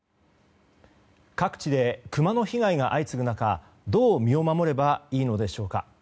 各地でクマの被害が相次ぐ中どう身を守ればいいのでしょうか。